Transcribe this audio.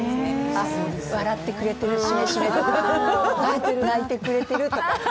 あ、笑ってくれてる、しめしめとか、泣いてくれてるとか。